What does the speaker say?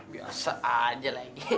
biasa aja lagi